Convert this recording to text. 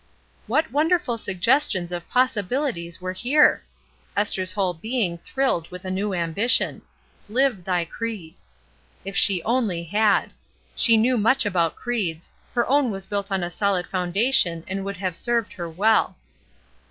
What wonderful suggestions of possibilities were here ! Esther's whole being thrilled with a new ambition. "Live thy creed." If she only had! She knew much about creeds; her 238 ESTER RIED'S NAMESAKE own was built on a solid foundation and would nave served her well.